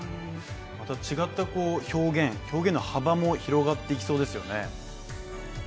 違った表現、表現の幅も広がっていきそうですよね。